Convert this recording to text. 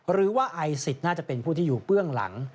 หรือว่าไอซิสน่าจะเป็นผู้ที่อยู่เบื้องหลัง